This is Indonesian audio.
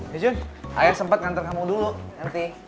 ya jun ayo sempet kantor kamu dulu nanti ya